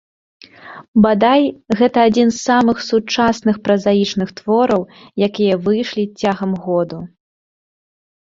Бадай, гэта адзін з самых сучасных празаічных твораў, якія выйшлі цягам году.